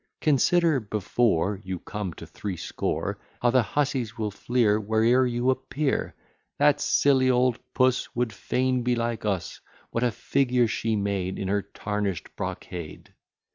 Consider, before You come to threescore, How the hussies will fleer Where'er you appear; "That silly old puss Would fain be like us: What a figure she made In her tarnish'd brocade!"